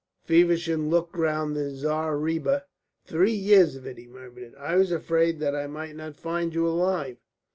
Feversham looked round the zareeba. "Three years of it," he murmured. "I was afraid that I might not find you alive."